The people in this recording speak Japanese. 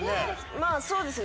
まあそうですね。